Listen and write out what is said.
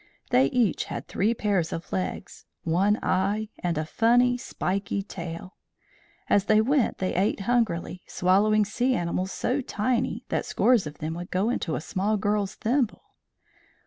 They each had three pairs of legs, one eye, and a funny, spiky tail. As they went they ate hungrily, swallowing sea animals so tiny that scores of them would go into a small girl's thimble.